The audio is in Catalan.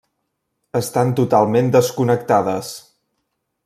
Estan totalment desconnectades.